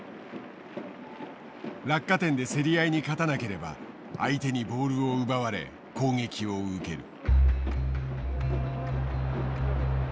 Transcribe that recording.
落下点で競り合いに勝たなければ相手にボールを奪われ攻撃を受ける。